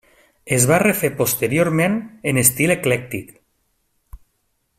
Es va refer posteriorment en estil eclèctic.